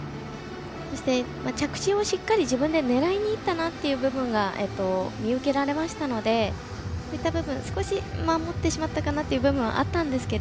そして、着地をしっかり自分で狙いにいったなという部分が見受けられましたのでそういった部分少し、守ってしまったかなという部分があったんですが